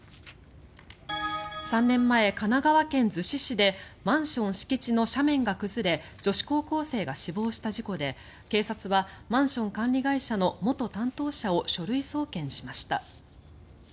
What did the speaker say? ３年前、神奈川県逗子市でマンション敷地の斜面が崩れ女子高校生が死亡した事故で警察はマンション管理会社の元担当者を書類送検しました。